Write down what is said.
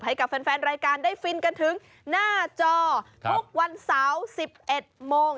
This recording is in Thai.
ให้กับแฟนรายการได้ฟินกันถึงหน้าจอทุกวันเสาร์๑๑โมง